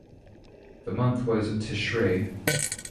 The month was Tishrei.